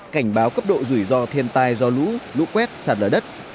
cảnh báo cấp độ rủi ro thiên tai do lũ lũ quét sạt lở đất